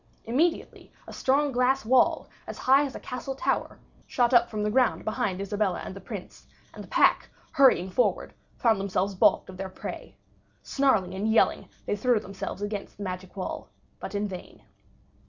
Immediately a strong glass wall, as high as a castle tower, shot up from the ground behind Isabella and the Prince; and the pack, hurrying forward, found themselves baulked of their prey. Snarling and yelling, they threw themselves against the magic wall; but in vain.